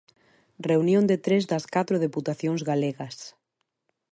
Reunión de tres das catro deputacións galegas.